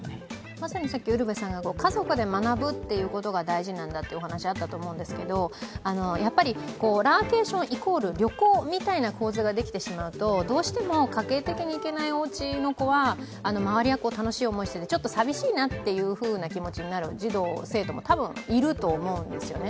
まさに家族で学ぶってことが大事なんだって話があったと思うんですけどやはりラーケーション、イコール旅行みたいな構図ができてしまうと、どうしても家計的にいけないおうちの子は周りは楽しい思いをしていて悲しいなって思いをする児童・生徒ってたぶんいると思うんですよね。